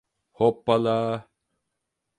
Hoppala.